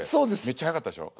めっちゃ早かったでしょ？